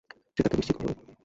সে তাকে নিশ্চিন্ত করল।